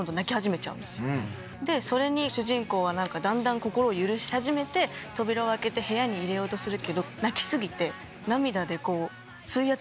でそれに主人公はだんだん心を許し始めて扉を開けて部屋に入れようとするけど泣き過ぎて。